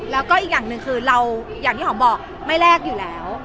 แล้วก็อีกอย่างหนึ่งคือเราอย่างที่หอมบอกไม่แลกอยู่แล้ว